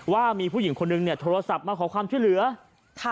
ว่ามีผู้หญิงคนนึงเนี่ยโทรศัพท์มาขอความช่วยเหลือค่ะ